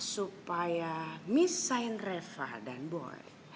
supaya misain reva dan boy